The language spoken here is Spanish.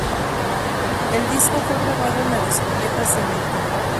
El disco fue grabado en la discoteca Cemento.